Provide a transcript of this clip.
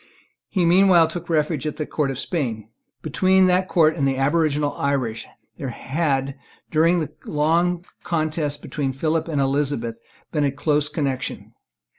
He meanwhile took refuge at the court of Spain. Between that court and the aboriginal Irish there had, during the long contest between Philip and Elizabeth, been a close connection.